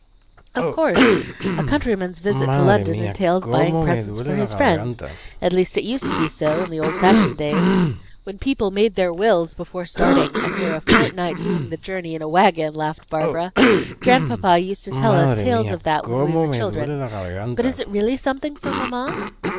"Of course. A countryman's visit to London entails buying presents for his friends; at least, it used to be so, in the old fashioned days." "When people made their wills before starting, and were a fortnight doing the journey in a wagon," laughed Barbara. "Grandpapa used to tell us tales of that, when we were children. But is it really something for mamma?"